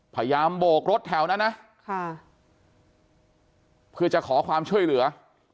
พยายามโบกรถแถวนั้นนะค่ะคือจะขอความช่วยเหลือ